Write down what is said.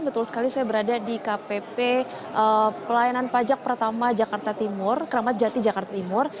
betul sekali saya berada di kpp pelayanan pajak pratama jakarta timur kramadjati jakarta timur